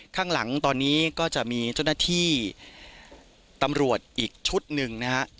ข้างหลังตอนนี้ก็จะมีเจ้าหน้าที่ตำรวจอีกชุดหนึ่งนะฮะ